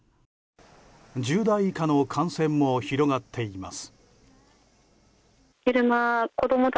１０代以下の感染も広がっています。